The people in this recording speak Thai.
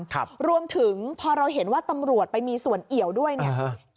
ครับรวมถึงพอเราเห็นว่าตำรวจไปมีส่วนเอี่ยวด้วยเนี่ยฮะ